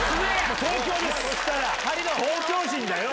東京人だよ。